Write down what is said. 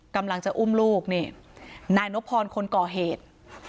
กำลังจะอุ้มลูกนี่นายนพรคนก่อเหตุ